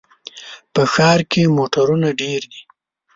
په ښار کې موټرونه ډېر دي.